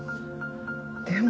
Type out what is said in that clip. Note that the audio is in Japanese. でも。